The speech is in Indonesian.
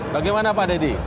bagaimana pak deddy